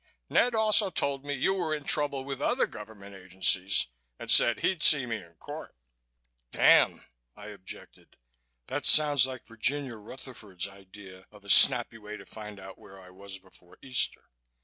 Ned also told me you were in trouble with other governmental agencies and said he'd see me in court." "Damn!" I objected. "That sounds like Virginia Rutherford's idea of a snappy way to find out where I was before Easter.